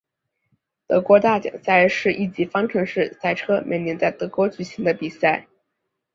德国大奖赛是一级方程式赛车每年在德国举行的比赛。